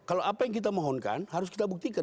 kalau apa yang kita mohonkan harus kita buktikan